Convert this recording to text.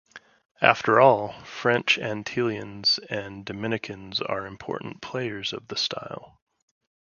After all, French Antilleans and Dominicans are important players of the style.